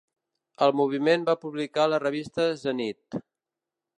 El moviment va publicar la revista "Zenit".